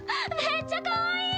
めっちゃかわいい！